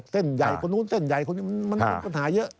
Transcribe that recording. เส้นใหญ่คนนู้นเส้นใหญ่คนนี้มันเป็นปัญหาเยอะ